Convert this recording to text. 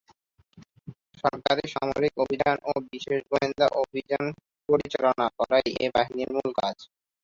সরাসরি সামরিক অভিযান ও বিশেষ গোয়েন্দা অভিযান পরিচালনা করাই এ বাহিনীর মূল কাজ।